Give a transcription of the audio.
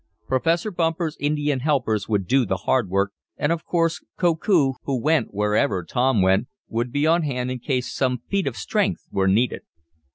Professor Bumper's Indian helpers would do the hard work, and, of course, Koku, who went wherever Tom went, would be on hand in case some feat of strength were needed.